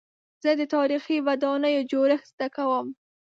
زه د تاریخي ودانیو جوړښت زده کوم.